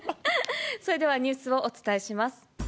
それではニュースをお伝えします。